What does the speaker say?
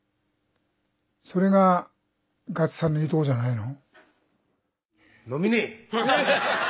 それがガッツさんのいいとこじゃないの？